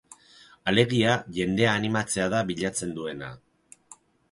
Alegia, jendea animatzea da bilatzen duena.